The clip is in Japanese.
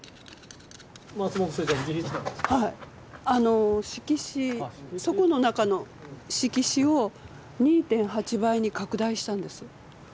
あの色紙そこの中の色紙を２．８倍に拡大したんです。